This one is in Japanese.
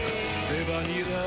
レバニラ